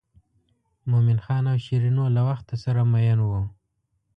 مومن خان او شیرینو له وخته سره مئین وو.